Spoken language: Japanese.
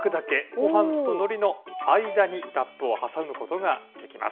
ごはんとのりの間にラップを挟むことができます。